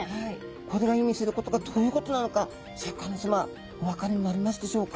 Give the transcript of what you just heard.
これが意味することがどういうことなのかシャーク香音さまお分かりになりますでしょうか？